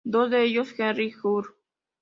Dos de ellos, Henry, Jr.